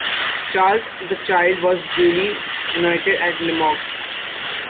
Charles the Child was duly anointed at Limoges.